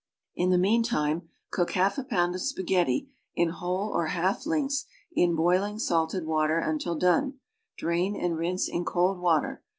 In the meantime, cook half a pound of spaghetti, in \A"hole or half lengths, in boiling, salted water until done; drain and rinse in cold water.